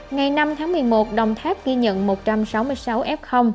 ngày năm tháng một mươi một đồng tháp ghi nhận một trăm sáu mươi sáu f